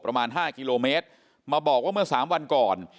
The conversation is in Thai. ประมาณ๕กิโลเมตรมาบอกว่าเมื่อสามวันก่อน